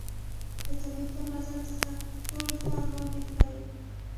له څلوېښتم منزل څخه ټول ښار لاندې ښکارېده.